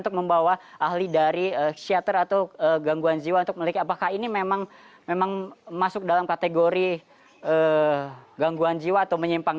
untuk membawa ahli dari psikiater atau gangguan jiwa untuk memiliki apakah ini memang masuk dalam kategori gangguan jiwa atau menyimpang